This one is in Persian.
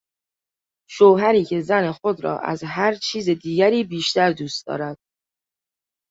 شوهری که زن خود را از هر چیز دیگر بیشتر دوست دارد